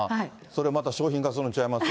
それまた、商品化するのちゃいます？